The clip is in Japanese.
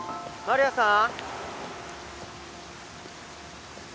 丸谷さん！